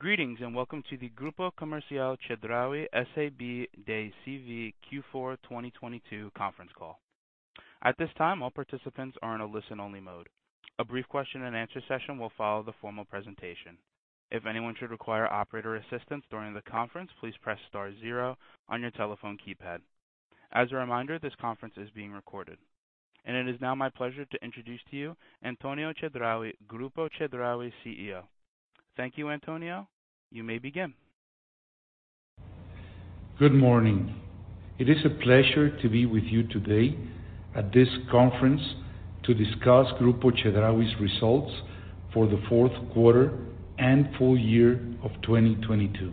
Greetings, welcome to the Grupo Comercial Chedraui S.A.B. de C.V. Q4 2022 conference call. At this time, all participants are in a listen-only mode. A brief question and answer session will follow the formal presentation. If anyone should require operator assistance during the conference, please press star zero on your telephone keypad. As a reminder, this conference is being recorded. It is now my pleasure to introduce to you Antonio Chedraui, Grupo Chedraui CEO. Thank you, Antonio. You may begin. Good morning. It is a pleasure to be with you today at this conference to discuss Grupo Chedraui's results for the fourth quarter and full year of 2022.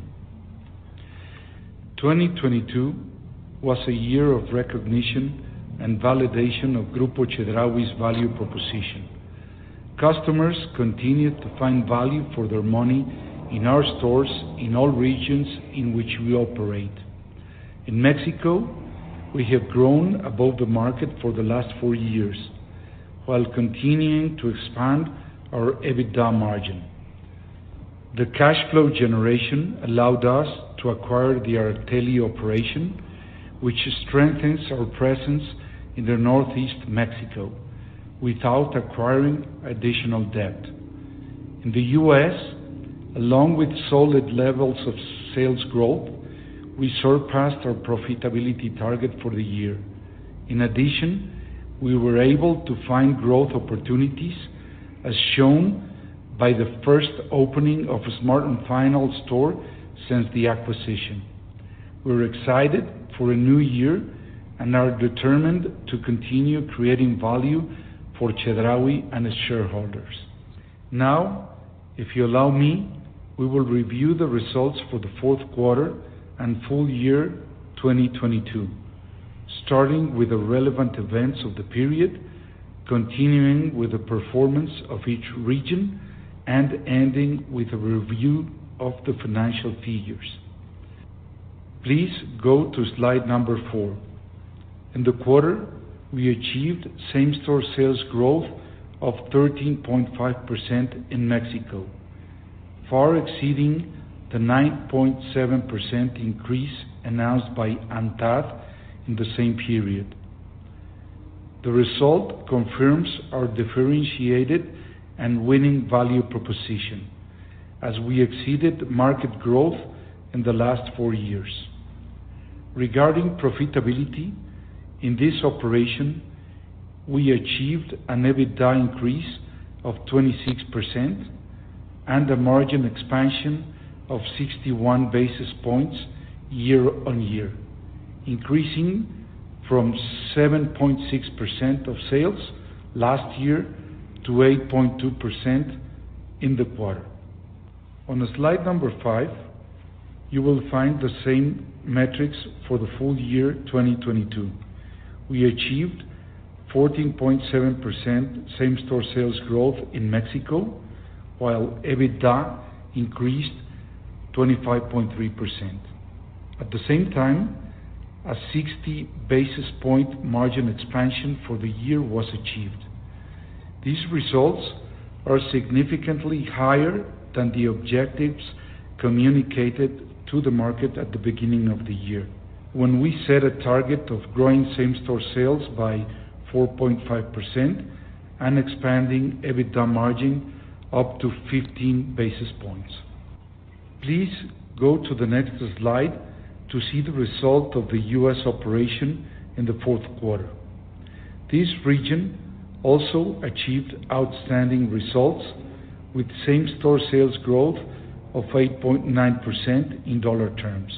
2022 was a year of recognition and validation of Grupo Chedraui's value proposition. Customers continued to find value for their money in our stores in all regions in which we operate. In Mexico, we have grown above the market for the last four years while continuing to expand our EBITDA margin. The cash flow generation allowed us to acquire the Arteli operation, which strengthens our presence in Northeast Mexico without acquiring additional debt. In the U.S., along with solid levels of sales growth, we surpassed our profitability target for the year. In addition, we were able to find growth opportunities, as shown by the first opening of a Smart & Final store since the acquisition. We're excited for a new year and are determined to continue creating value for Chedraui and its shareholders. Now, if you allow me, we will review the results for the fourth quarter and full year 2022, starting with the relevant events of the period, continuing with the performance of each region, and ending with a review of the financial figures. Please go to slide number four. In the quarter, we achieved same-store sales growth of 13.5% in Mexico, far exceeding the 9.7% increase announced by ANTAD in the same period. The result confirms our differentiated and winning value proposition as we exceeded market growth in the last four years. Regarding profitability, in this operation, we achieved an EBITDA increase of 26% and a margin expansion of 61 basis points year on year, increasing from 7.6% of sales last year to 8.2% in the quarter. On slide number five, you will find the same metrics for the full year 2022. We achieved 14.7% same-store sales growth in Mexico while EBITDA increased 25.3%. At the same time, a 60 basis point margin expansion for the year was achieved. These results are significantly higher than the objectives communicated to the market at the beginning of the year when we set a target of growing same-store sales by 4.5% and expanding EBITDA margin up to 15 basis points. Please go to the next slide to see the result of the U.S. operation in the fourth quarter. This region also achieved outstanding results with same-store sales growth of 8.9% in dollar terms,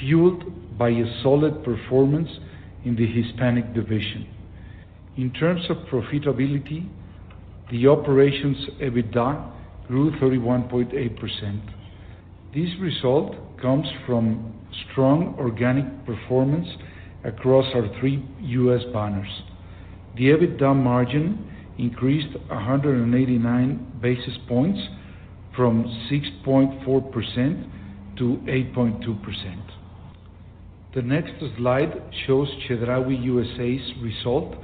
fueled by a solid performance in the Hispanic division. In terms of profitability, the operation's EBITDA grew 31.8%. This result comes from strong organic performance across our three U.S. banners. The EBITDA margin increased 189 basis points from 6.4% to 8.2%. The next slide shows Chedraui USA's result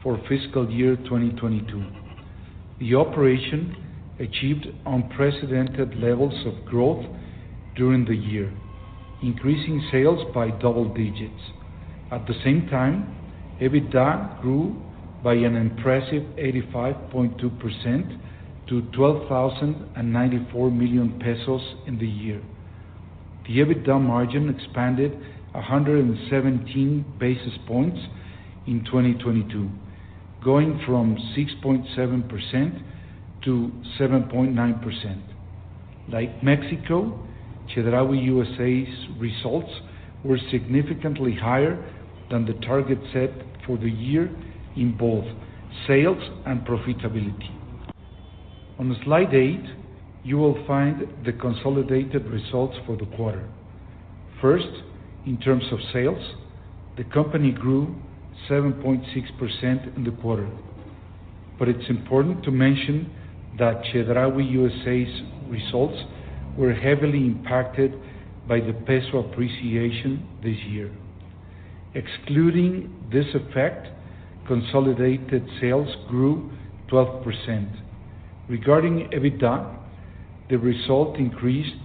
for fiscal year 2022. The operation achieved unprecedented levels of growth during the year, increasing sales by double digits. At the same time, EBITDA grew by an impressive 85.2% to 12,094 million pesos in the year. The EBITDA margin expanded 117 basis points in 2022, going from 6.7% to 7.9%. Like Mexico, Chedraui USA's results were significantly higher than the target set for the year in both sales and profitability. On slide eight, you will find the consolidated results for the quarter. In terms of sales, the company grew 7.6% in the quarter. It's important to mention that Chedraui USA's results were heavily impacted by the peso appreciation this year. Excluding this effect, consolidated sales grew 12%. Regarding EBITDA, the result increased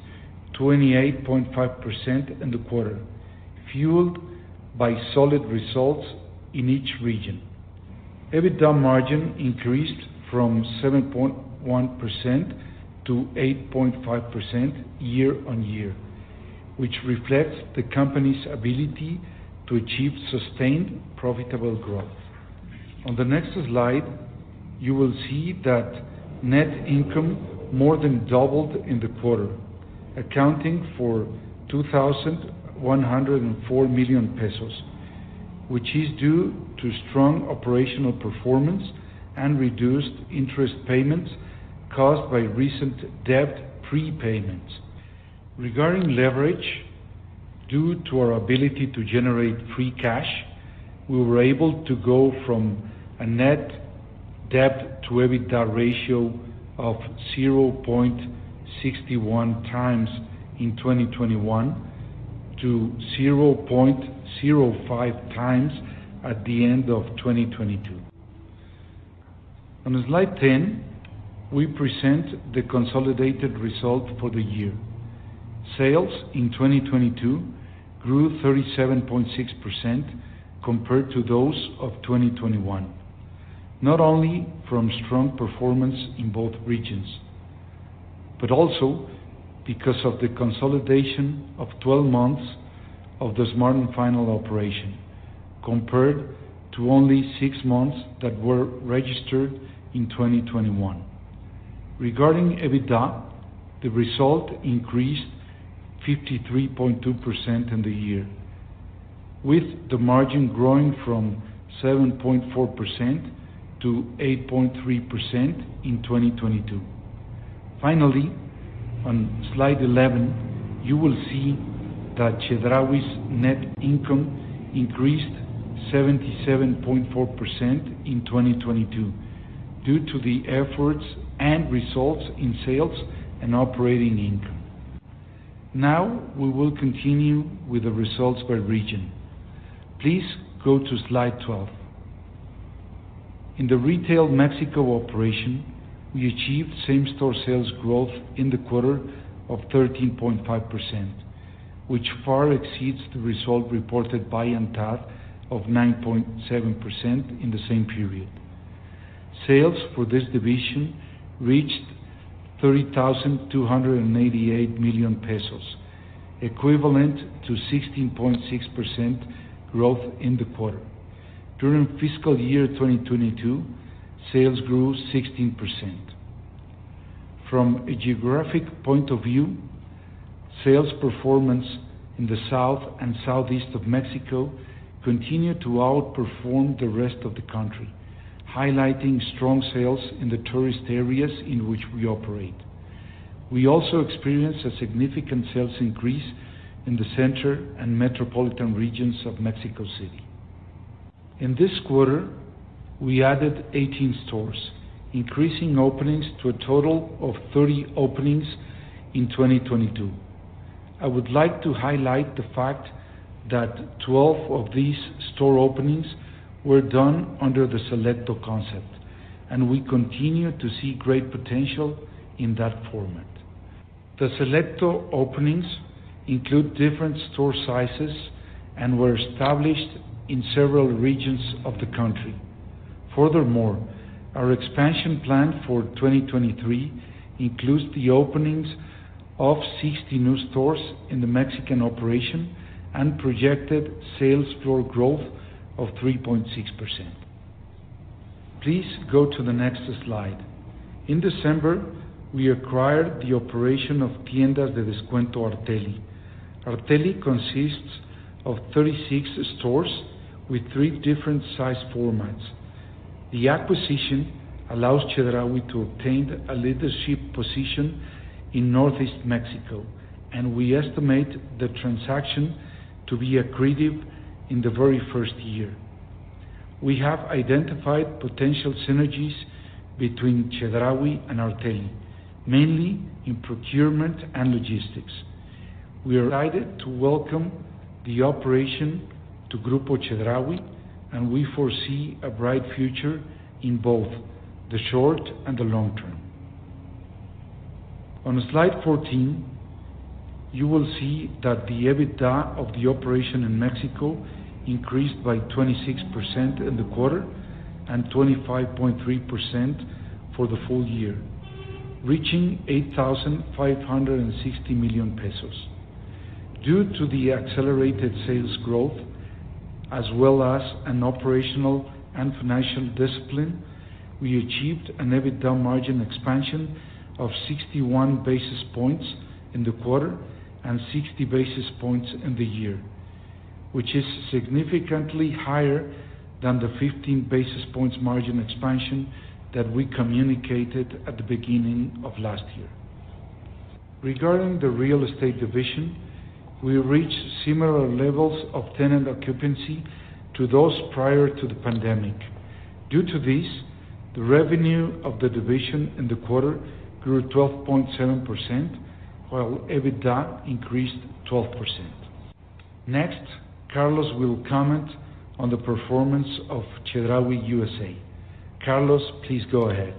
28.5% in the quarter, fueled by solid results in each region. EBITDA margin increased from 7.1% to 8.5% year-over-year, which reflects the company's ability to achieve sustained profitable growth. On the next slide, you will see that net income more than doubled in the quarter, accounting for 2,104 million pesos, which is due to strong operational performance and reduced interest payments caused by recent debt prepayments. Regarding leverage, due to our ability to generate free cash, we were able to go from a net debt to EBITDA ratio of 0.61x in 2021 to 0.05x at the end of 2022. On slide 10, we present the consolidated result for the year. Sales in 2022 grew 37.6% compared to those of 2021, not only from strong performance in both regions, but also because of the consolidation of 12 months of the Smart & Final operation, compared to only six months that were registered in 2021. Regarding EBITDA, the result increased 53.2% in the year, with the margin growing from 7.4% to 8.3% in 2022. Finally, on slide 11, you will see that Chedraui's net income increased 77.4% in 2022 due to the efforts and results in sales and operating income. We will continue with the results by region. Please go to slide 12. In the Retail Mexico operation, we achieved same-store sales growth in the quarter of 13.5%, which far exceeds the result reported by ANTAD of 9.7% in the same period. Sales for this division reached 30,288 million pesos, equivalent to 16.6% growth in the quarter. During fiscal year 2022, sales grew 16%. From a geographic point of view, sales performance in the south and southeast of Mexico continued to outperform the rest of the country, highlighting strong sales in the tourist areas in which we operate. We also experienced a significant sales increase in the center and metropolitan regions of Mexico City. In this quarter, we added 18 stores, increasing openings to a total of 30 openings in 2022. I would like to highlight the fact that 12 of these store openings were done under the Selecto concept, and we continue to see great potential in that format. The Selecto openings include different store sizes and were established in several regions of the country. Our expansion plan for 2023 includes the openings of 60 new stores in the Mexican operation and projected sales floor growth of 3.6%. Please go to the next slide. In December, we acquired the operation of Tiendas de Descuento Arteli. Arteli consists of 36 stores with three different size formats. The acquisition allows Chedraui to obtain a leadership position in Northeast Mexico. We estimate the transaction to be accretive in the very first year. We have identified potential synergies between Chedraui and Arteli, mainly in procurement and logistics. We are delighted to welcome the operation to Grupo Chedraui. We foresee a bright future in both the short and the long term. On slide 14, you will see that the EBITDA of the operation in Mexico increased by 26% in the quarter and 25.3% for the full year, reaching 8,560 million pesos. Due to the accelerated sales growth as well as an operational and financial discipline, we achieved an EBITDA margin expansion of 61 basis points in the quarter and 60 basis points in the year, which is significantly higher than the 15 basis points margin expansion that we communicated at the beginning of last year. Regarding the Real Estate division, we reached similar levels of tenant occupancy to those prior to the pandemic. Due to this, the revenue of the division in the quarter grew 12.7%, while EBITDA increased 12%. Next, Carlos will comment on the performance of Chedraui USA. Carlos, please go ahead.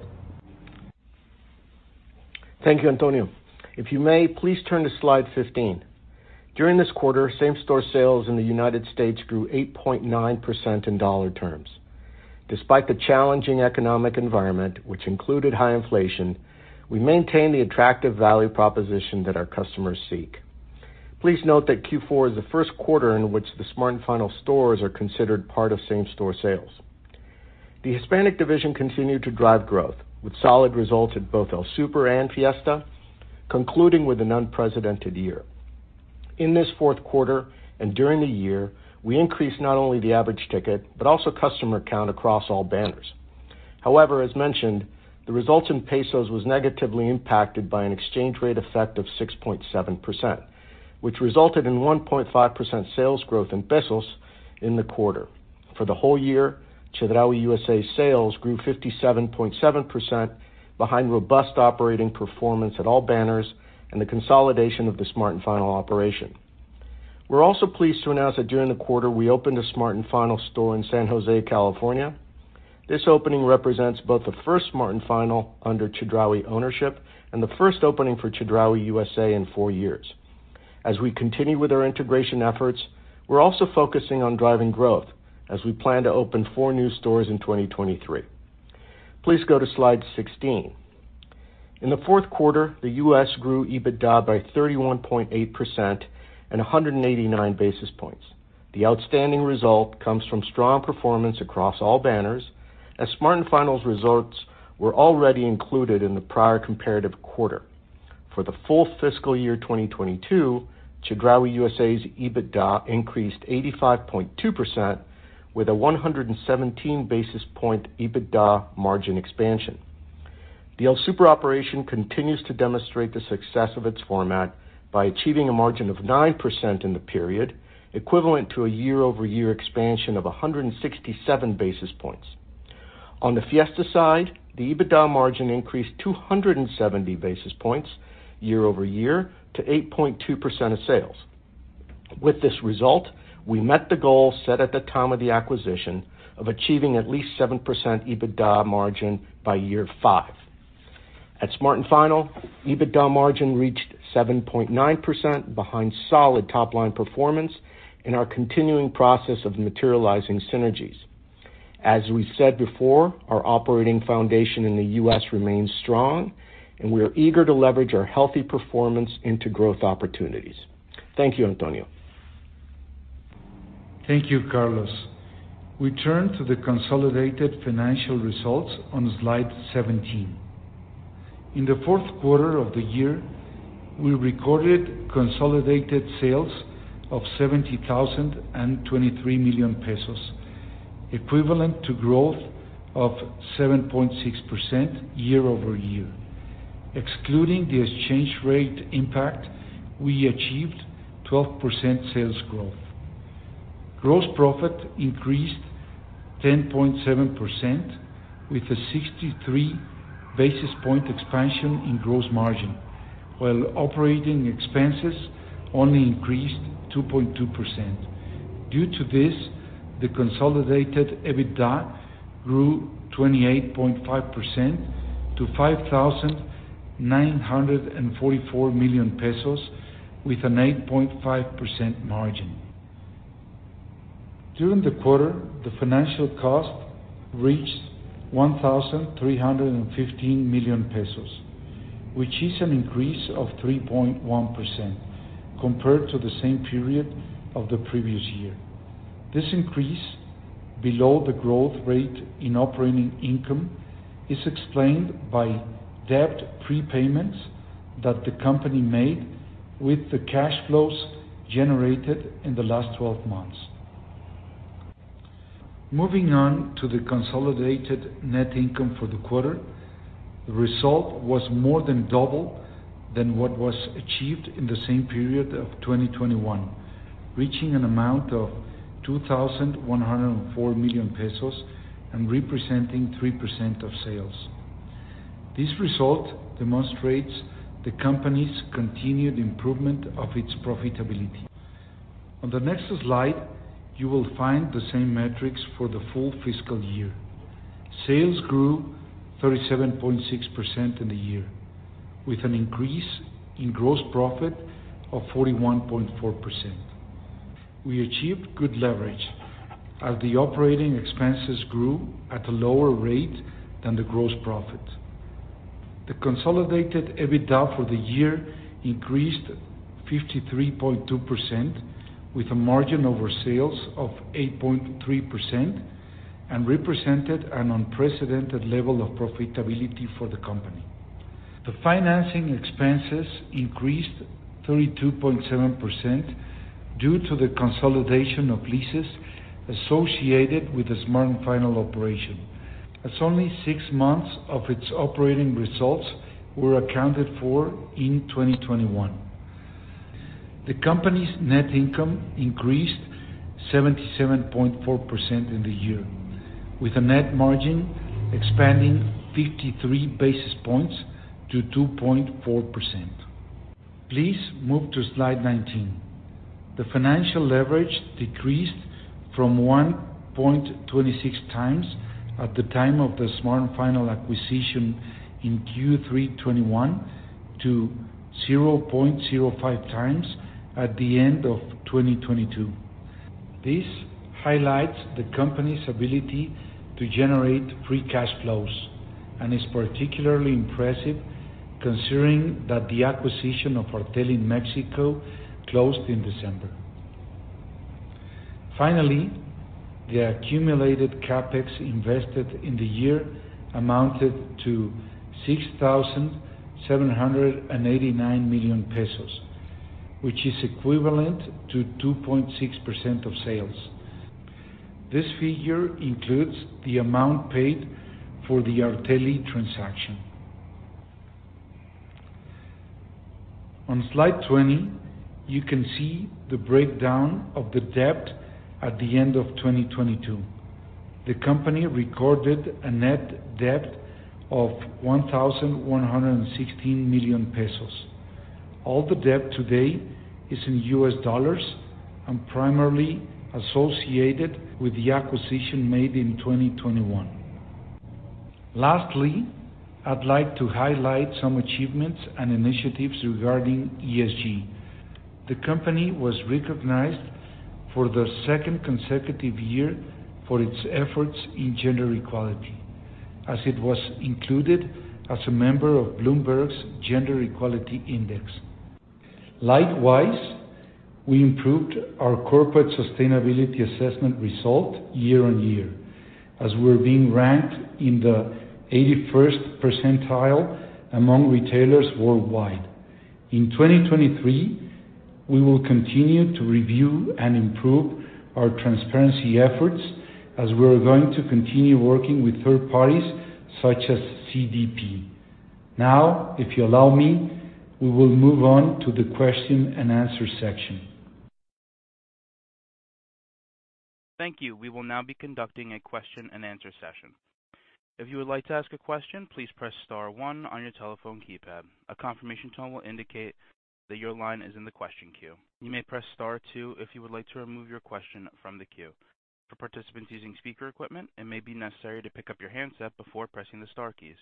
Thank you, Antonio. If you may, please turn to slide 15. During this quarter, same-store sales in the United States grew 8.9% in dollar terms. Despite the challenging economic environment, which included high inflation, we maintained the attractive value proposition that our customers seek. Please note that Q4 is the first quarter in which the Smart & Final stores are considered part of same-store sales. The Hispanic division continued to drive growth with solid results at both El Super and Fiesta, concluding with an unprecedented year. In this fourth quarter and during the year, we increased not only the average ticket, but also customer count across all banners. As mentioned, the results in pesos was negatively impacted by an exchange rate effect of 6.7%, which resulted in 1.5% sales growth in pesos in the quarter. For the whole year, Chedraui USA sales grew 57.7% behind robust operating performance at all banners and the consolidation of the Smart & Final operation. We're also pleased to announce that during the quarter, we opened a Smart & Final store in San Jose, California. This opening represents both the first Smart & Final under Chedraui ownership and the first opening for Chedraui USA in four years. As we continue with our integration efforts, we're also focusing on driving growth as we plan to open four new stores in 2023. Please go to slide 16. In the fourth quarter, the U.S. grew EBITDA by 31.8% and 189 basis points. The outstanding result comes from strong performance across all banners as Smart & Final's results were already included in the prior comparative quarter. For the full fiscal year 2022, Chedraui USA's EBITDA increased 85.2% with a 117 basis point EBITDA margin expansion. The El Super operation continues to demonstrate the success of its format by achieving a margin of 9% in the period, equivalent to a year-over-year expansion of 167 basis points. On the Fiesta side, the EBITDA margin increased 270 basis points year-over-year to 8.2% of sales. With this result, we met the goal set at the time of the acquisition of achieving at least 7% EBITDA margin by year five. At Smart & Final, EBITDA margin reached 7.9% behind solid top-line performance in our continuing process of materializing synergies. As we said before, our operating foundation in the U.S. remains strong, and we are eager to leverage our healthy performance into growth opportunities. Thank you, Antonio. Thank you, Carlos. We turn to the consolidated financial results on slide 17. In the fourth quarter of the year, we recorded consolidated sales of 70,023 million pesos, equivalent to growth of 7.6% year-over-year. Excluding the exchange rate impact, we achieved 12% sales growth. Gross profit increased 10.7% with a 63 basis point expansion in gross margin, while operating expenses only increased 2.2%. Due to this, the consolidated EBITDA grew 28.5% to 5,944 million pesos with an 8.5% margin. During the quarter, the financial cost reached 1,315 million pesos, which is an increase of 3.1% compared to the same period of the previous year. This increase below the growth rate in operating income is explained by debt prepayments that the company made with the cash flows generated in the last 12 months. Moving on to the consolidated net income for the quarter, the result was more than double than what was achieved in the same period of 2021, reaching an amount of 2,104 million pesos and representing 3% of sales. This result demonstrates the company's continued improvement of its profitability. On the next slide, you will find the same metrics for the full fiscal year. Sales grew 37.6% in the year with an increase in gross profit of 41.4%. We achieved good leverage as the operating expenses grew at a lower rate than the gross profit. The consolidated EBITDA for the year increased 53.2% with a margin over sales of 8.3% and represented an unprecedented level of profitability for the company. The financing expenses increased 32.7% due to the consolidation of leases associated with the Smart & Final operation, as only six months of its operating results were accounted for in 2021. The company's net income increased 77.4% in the year, with a net margin expanding 53 basis points to 2.4%. Please move to slide 19. The financial leverage decreased from 1.26x at the time of the Smart & Final acquisition in Q3 2021 to 0.05x at the end of 2022. This highlights the company's ability to generate free cash flows, and is particularly impressive considering that the acquisition of Arteli in Mexico closed in December. Finally, the accumulated CapEx invested in the year amounted to 6,789 million pesos, which is equivalent to 2.6% of sales. This figure includes the amount paid for the Arteli transaction. On slide 20, you can see the breakdown of the debt at the end of 2022. The company recorded a net debt of 1,116 million pesos. All the debt today is in U.S. dollars and primarily associated with the acquisition made in 2021. Lastly, I'd like to highlight some achievements and initiatives regarding ESG. The company was recognized for the second consecutive year for its efforts in gender equality, as it was included as a member of Bloomberg's Gender-Equality Index. Likewise, we improved our Corporate Sustainability Assessment result year-on-year, as we're being ranked in the 81st percentile among retailers worldwide. In 2023, we will continue to review and improve our transparency efforts as we are going to continue working with third parties such as CDP. If you allow me, we will move on to the question-and-answer section. Thank you. We will now be conducting a question-and-answer session. If you would like to ask a question, please press star one on your telephone keypad. A confirmation tone will indicate that your line is in the question queue. You may press star two if you would like to remove your question from the queue. For participants using speaker equipment, it may be necessary to pick up your handset before pressing the star keys.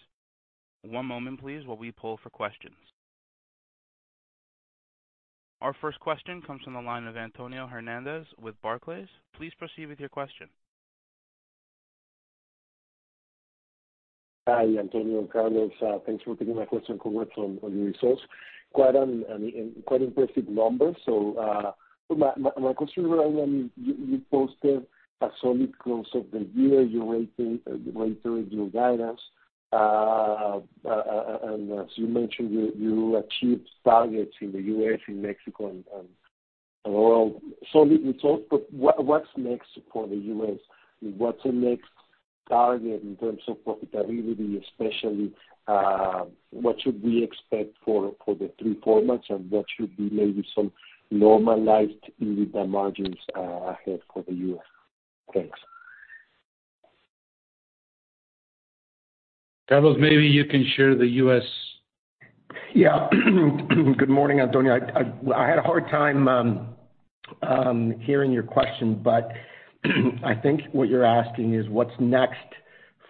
One moment please while we poll for questions. Our first question comes from the line of Antonio Hernández with Barclays. Please proceed with your question. Hi, Antonio and Carlos. Thanks for taking my question. Congrats on your results. Quite an quite impressive numbers. My question, you posted a solid close of the year. You're raising your guidance. And as you mentioned, you achieved targets in the U.S., in Mexico and overall. What's next for the U.S.? What's the next target in terms of profitability especially? What should we expect for the three formats and what should be maybe some normalized EBITDA margins ahead for the U.S.? Thanks. Carlos, maybe you can share the U.S. Yeah. Good morning, Antonio. I had a hard time hearing your question, I think what you're asking is what's next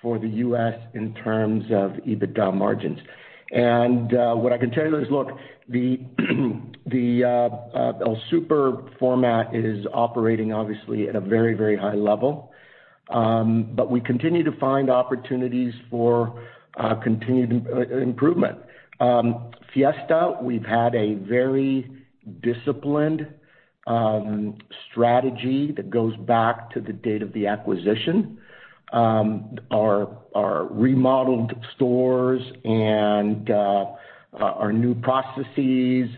for the U.S. in terms of EBITDA margins. What I can tell you is, look, the El Super format is operating obviously at a very, very high level. We continue to find opportunities for continued improvement. Fiesta, we've had a very disciplined strategy that goes back to the date of the acquisition. Our remodeled stores and our new processes,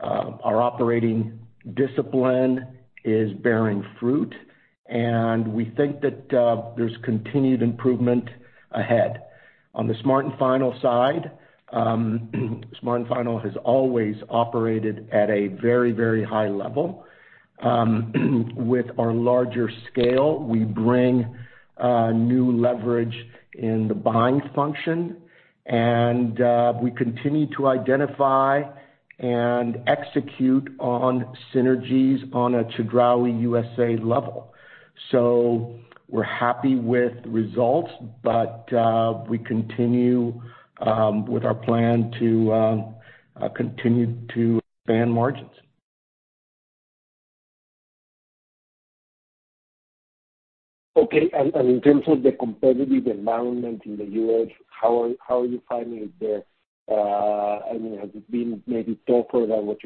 our operating discipline is bearing fruit, we think that there's continued improvement ahead. On the Smart & Final side, Smart & Final has always operated at a very, very high level. With our larger scale, we bring new leverage in the buying function, and we continue to identify and execute on synergies on a Chedraui USA level. We're happy with results, but we continue with our plan to continue to expand margins. Okay. In terms of the competitive environment in the U.S., how are you finding it there? I mean, has it been maybe tougher than what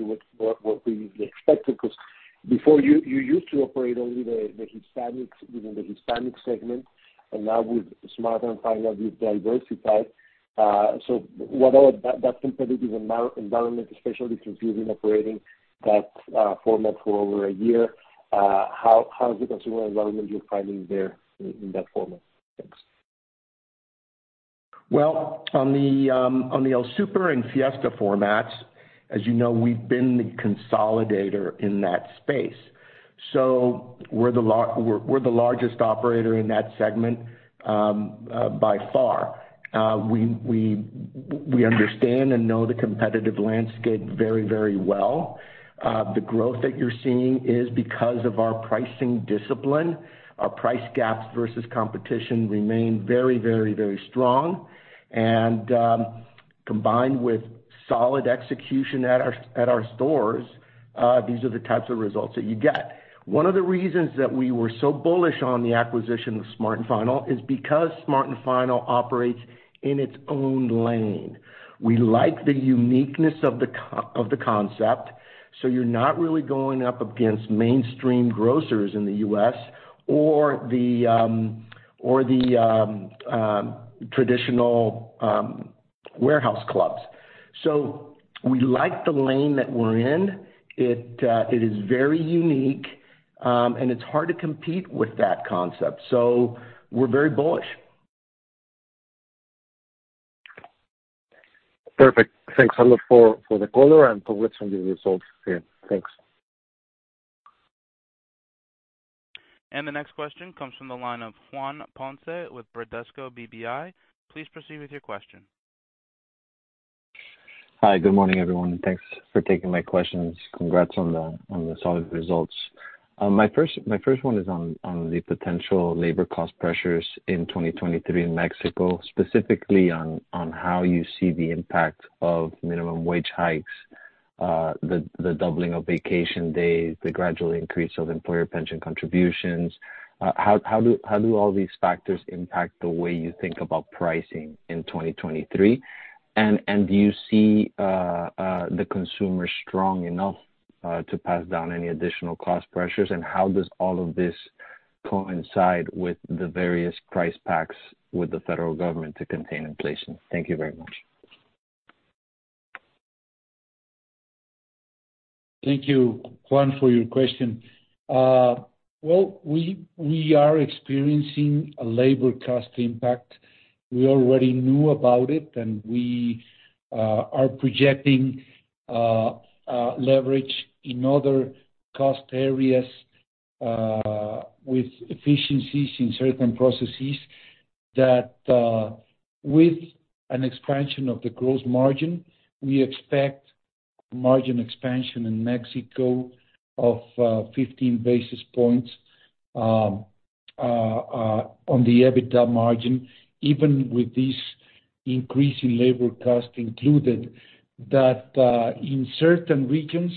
we usually expected? Before you used to operate only the Hispanics within the Hispanic segment, and now with Smart & Final, you've diversified. What are that competitive environment, especially since you've been operating that format for over a year, how is the consumer environment you're finding there in that format? Thanks. Well, on the El Super and Fiesta formats, as you know, we've been the consolidator in that space. We're the largest operator in that segment by far. We understand and know the competitive landscape very, very well. The growth that you're seeing is because of our pricing discipline. Our price gaps versus competition remain very, very, very strong. Combined with solid execution at our stores, these are the types of results that you get. One of the reasons that we were so bullish on the acquisition of Smart & Final is because Smart & Final operates in its own lane. We like the uniqueness of the concept. You're not really going up against mainstream grocers in the U.S. or the or the traditional warehouse clubs. We like the lane that we're in. It is very unique, and it's hard to compete with that concept. We're very bullish. Perfect. Thanks a lot for the color and publishing the results here. Thanks. The next question comes from the line of Juan Ponce with Bradesco BBI. Please proceed with your question. Hi, good morning, everyone, and thanks for taking my questions. Congrats on the solid results. My first one is on the potential labor cost pressures in 2023 in Mexico, specifically on how you see the impact of minimum wage hikes, the doubling of vacation days, the gradual increase of employer pension contributions. How do all these factors impact the way you think about pricing in 2023? Do you see the consumer strong enough to pass down any additional cost pressures? How does all of this coincide with the various price packs with the federal government to contain inflation? Thank you very much. Thank you, Juan, for your question. Well, we are experiencing a labor cost impact. We already knew about it, we are projecting leverage in other cost areas, with efficiencies in certain processes that with an expansion of the gross margin, we expect margin expansion in Mexico of 15 basis points on the EBITDA margin, even with this increase in labor cost included, that in certain regions,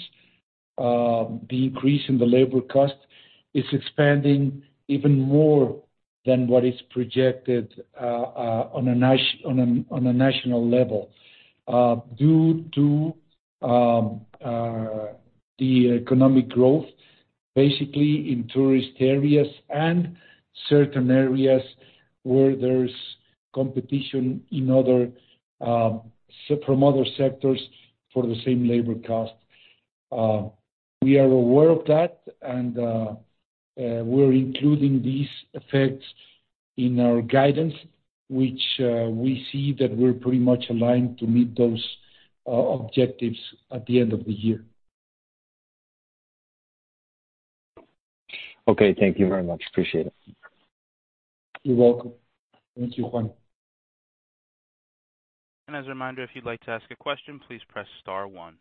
the increase in the labor cost is expanding even more than what is projected on a national level, due to the economic growth, basically in tourist areas and certain areas where there's competition in other from other sectors for the same labor cost. We are aware of that. We're including these effects in our guidance, which, we see that we're pretty much aligned to meet those objectives at the end of the year. Okay. Thank you very much. Appreciate it. You're welcome. Thank you, Juan. As a reminder, if you'd like to ask a question, please press star one.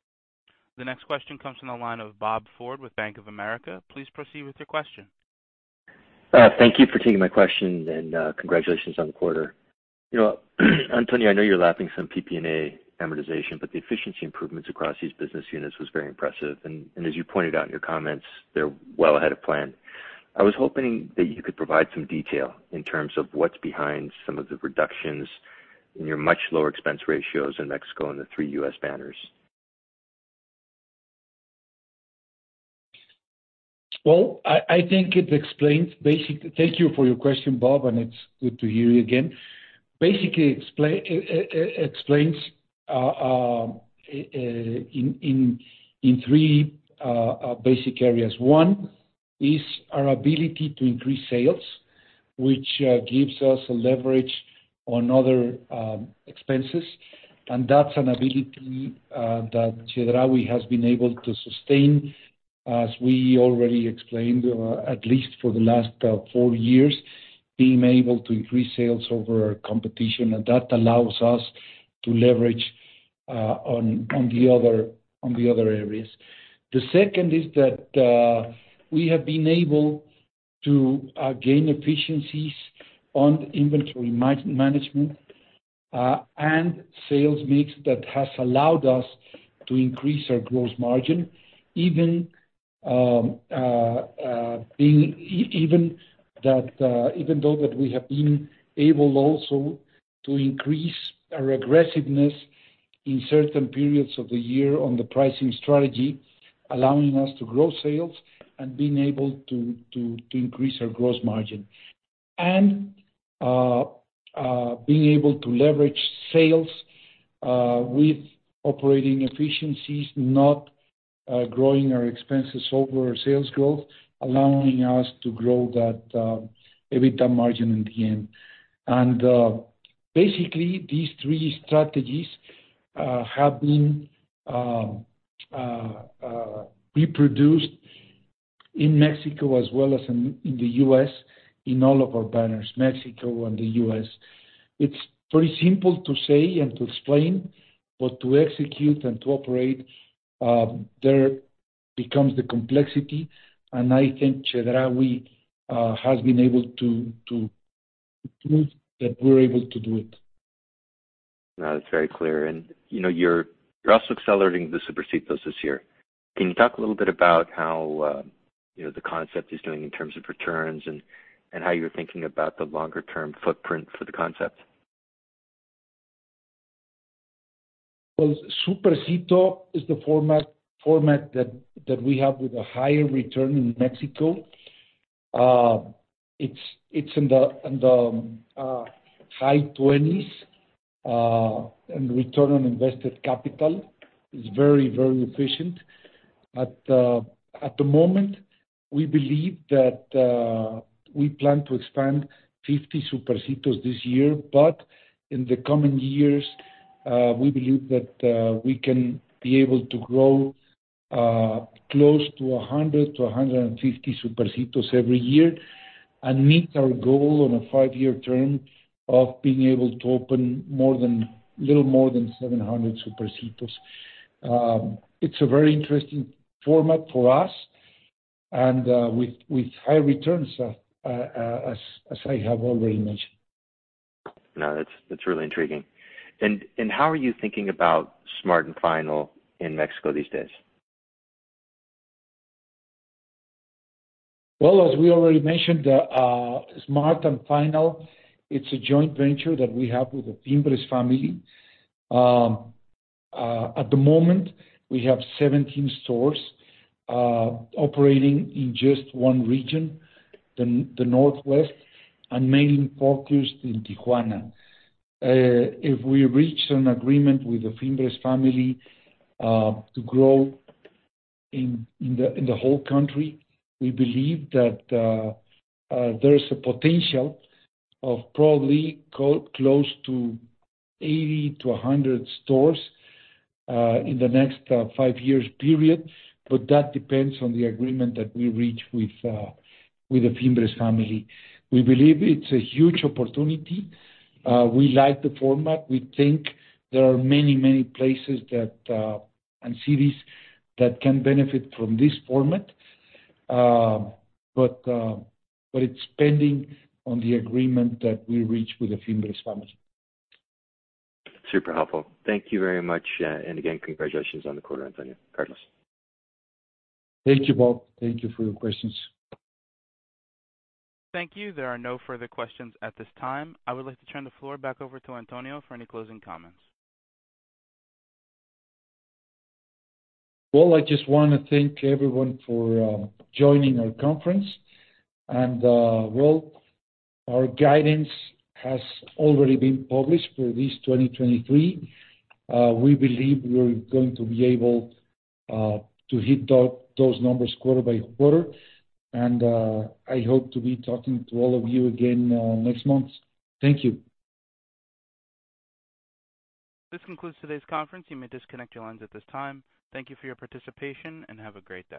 The next question comes from the line of Bob Ford with Bank of America. Please proceed with your question. Thank you for taking my question, and congratulations on the quarter. You know, Antonio, I know you're lapping some PP&E amortization, but the efficiency improvements across these business units was very impressive. As you pointed out in your comments, they're well ahead of plan. I was hoping that you could provide some detail in terms of what's behind some of the reductions in your much lower expense ratios in Mexico and the three U.S. banners. Well, I think it explains basic. Thank you for your question, Bob, and it's good to hear you again. Basically explains in three basic areas. One is our ability to increase sales, which gives us a leverage on other expenses, and that's an ability that Chedraui has been able to sustain, as we already explained, at least for the last four years, being able to increase sales over our competition, and that allows us to leverage on the other areas. The second is that we have been able to gain efficiencies on inventory management and sales mix that has allowed us to increase our gross margin even being... Even that, even though that we have been able also to increase our aggressiveness in certain periods of the year on the pricing strategy, allowing us to grow sales and being able to increase our gross margin. Being able to leverage sales with operating efficiencies, not growing our expenses over our sales growth, allowing us to grow that EBITDA margin in the end. Basically these three strategies have been reproduced in Mexico as well as in the U.S. in all of our banners, Mexico and the U.S. It's pretty simple to say and to explain, but to execute and to operate, there becomes the complexity. I think Chedraui has been able to prove that we're able to do it. No, it's very clear. You know, you're also accelerating the Supercitos this year. Can you talk a little bit about how, you know, the concept is doing in terms of returns and how you're thinking about the longer term footprint for the concept? Supercito is the format that we have with a higher return in Mexico. It's in the high 20s and return on invested capital is very efficient. At the moment, we believe that we plan to expand 50 Supercitos this year, but in the coming years, we believe that we can be able to grow close to 100-150 Supercitos every year and meet our goal on a five-year term of being able to open more than, little more than 700 Supercitos. It's a very interesting format for us and with high returns, as I have already mentioned. No, that's really intriguing. How are you thinking about Smart & Final in Mexico these days? Well, as we already mentioned, Smart & Final, it's a joint venture that we have with the Fimbres family. At the moment, we have 17 stores operating in just one region, the northwest, and mainly focused in Tijuana. If we reach an agreement with the Fimbres family to grow in the whole country, we believe that there is a potential of probably close to 80 to 100 stores in the next five years period, but that depends on the agreement that we reach with the Fimbres family. We believe it's a huge opportunity. We like the format. We think there are many, many places that and cities that can benefit from this format, but it's pending on the agreement that we reach with the Fimbres family. Super helpful. Thank you very much. Again, congratulations on the quarter, Carlos. Thank you, Bob. Thank you for your questions. Thank you. There are no further questions at this time. I would like to turn the floor back over to Antonio for any closing comments. Well, I just wanna thank everyone for joining our conference. Well, our guidance has already been published for this 2023. We believe we're going to be able to hit those numbers quarter by quarter. I hope to be talking to all of you again next month. Thank you. This concludes today's conference. You may disconnect your lines at this time. Thank you for your participation, and have a great day.